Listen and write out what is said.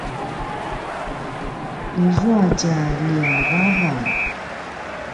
izua tja ljiavavaw